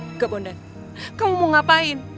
enggak bondan kamu mau ngapain